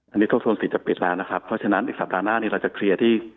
อันนี้ทบทวนสิทธิ์แล้วนะครับเพราะฉะนั้นอีกสัปดาห์หน้านี้เราจะเคลียร์ที่